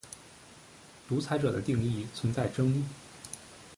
独裁者的定义存在争议。